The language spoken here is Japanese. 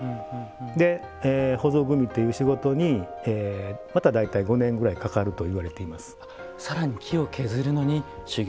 で、ほぞ組みっていう仕事にまた５年ぐらいかかるといわれています。